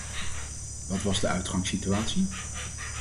Wat was de uitgangssituatie?